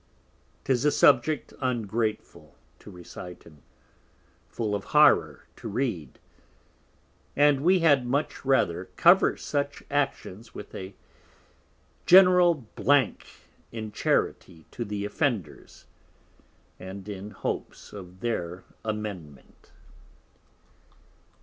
'Tis a Subject ungrateful to recite, and full of Horror to read; and we had much rather cover such Actions with a general Blank in Charity to the Offenders, and in hopes of their Amendment.